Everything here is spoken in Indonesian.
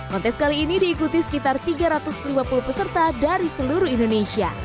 kontes kali ini diikuti sekitar tiga ratus lima puluh peserta dari seluruh indonesia